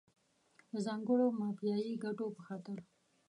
د ځانګړو مافیایي ګټو په خاطر.